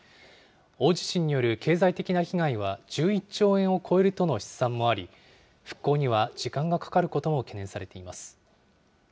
大地震による経済的な被害は１１兆円を超えるとの試算もあり、復興には時間がかかることも懸念されています。